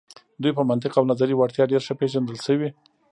دوی په منطق او نظري وړتیا ډیر ښه پیژندل شوي.